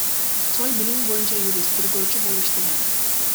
Цой — билими боюнча юрист, тергөөчү болуп иштеген.